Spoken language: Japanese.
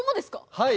はい。